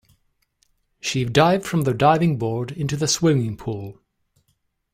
She dived from the diving board into the swimming pool.